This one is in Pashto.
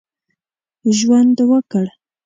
ژوند وکړ.